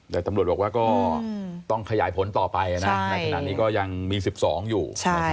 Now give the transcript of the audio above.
แต่ตำรวจบอกว่าก็ต้องขยายผลต่อไปในขณะนี้ก็ยังมี๑๒อยู่